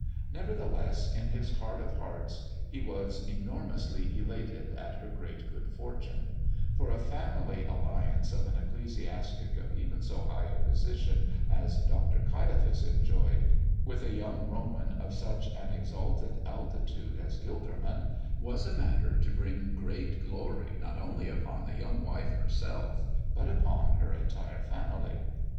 Nevertheless, in his heart of hearts he was enormously elated at her great good fortune; for a family alliance of an ecclesiastic of even so high a position as Dr. Caiaphas enjoyed, with a young Roman of such an exalted altitude as Gilderman, was a matter to bring great glory not only upon the young wife herself, but upon her entire family.